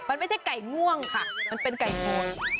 มันไม่ใช่ไก่ง่วงค่ะมันเป็นไก่งวง